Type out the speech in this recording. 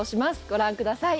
ご覧ください。